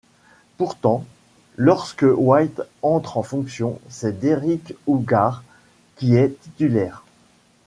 Pourtant, lorsque White entre en fonction, c'est Derick Hougaard qui est titulaire.